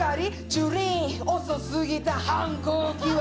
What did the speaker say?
「ジュリーン遅すぎた反抗期は」